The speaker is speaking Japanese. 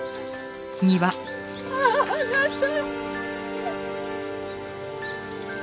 あああなた。